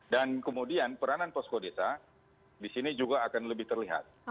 dan kemudian peranan posko desa di sini juga akan lebih terlihat